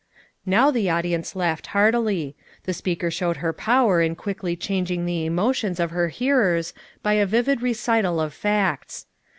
Now the audience laughed heartily. The speaker showed her power in quickly changing the emotions of her hearers by a vivid recital of facts.